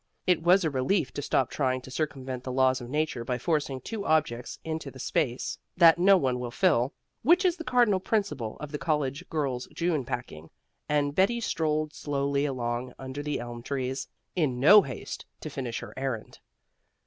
It was a relief to stop trying to circumvent the laws of nature by forcing two objects into the space that one will fill which is the cardinal principle of the college girl's June packing and Betty strolled slowly along under the elm trees, in no haste to finish her errand.